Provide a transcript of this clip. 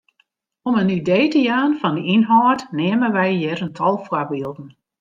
Om in idee te jaan fan de ynhâld neame wy hjir in tal foarbylden.